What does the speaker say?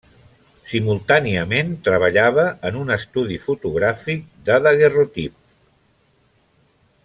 Simultàniament, treballava en un estudi fotogràfic de daguerreotip.